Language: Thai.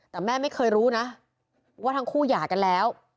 แต่แม่ไม่เคยรู้นะว่าทั้งคู่หย่ากันแล้ว